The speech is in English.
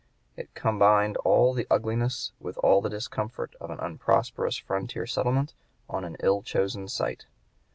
It combined all the ugliness with all the discomfort of an unprosperous frontier settlement on an ill chosen site.